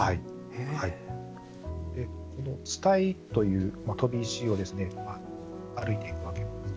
この伝いという飛び石を歩いていくわけですね。